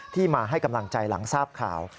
มาให้กำลังใจหลังทราบข่าว